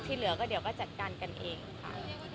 เหลือก็เดี๋ยวก็จัดการกันเองค่ะ